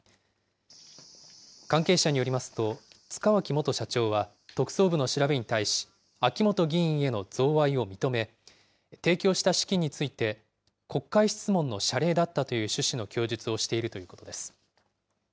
関係者によりますと、塚脇元社長は特捜部の調べに対し、秋本議員への贈賄を認め、提供した資金について、国会質問の謝礼だったという趣旨の供述をしているということです。